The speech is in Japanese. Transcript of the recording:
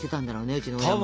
うちの親もね。